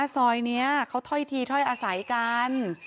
ซอยนี้เขาถ้อยทีถ้อยอาศัยกัน